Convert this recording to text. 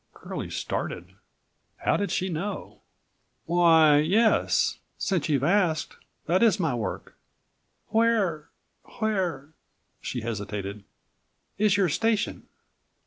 Curlie started. How did she know?101 "Why, yes, since you've asked, that is my work." "Where—where—" she hesitated, "is your station?"